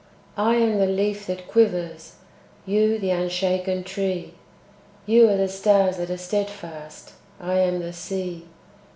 I am the leaf that quivers, You, the unshaken tree; You are the stars that are steadfast, I am the sea.